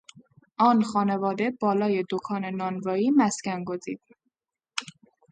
آن خانواده بالای دکان نانوایی مسکن گزید.